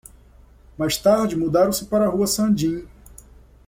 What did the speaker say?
Mais tarde mudaram-se para a Rua Sanjin